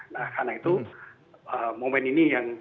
nah karena itu momen ini yang